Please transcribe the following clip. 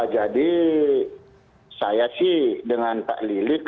jadi saya sih dengan pak lilit